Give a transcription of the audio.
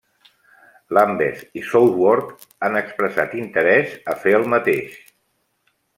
Lambeth i Southwark han expressat interès a fer el mateix.